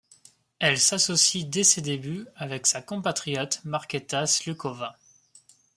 Elle s'associe dès ses débuts avec sa compatriote Markéta Sluková.